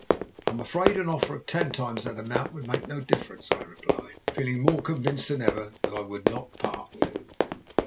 'I'm afraid an offer of ten times that amount would make no difference,' I replied, feeling more convinced than ever that I would not part with it.